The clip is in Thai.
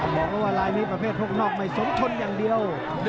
บอกเลยว่ารายมีประเภทพวกนอกไม่สมทนอย่างเดียว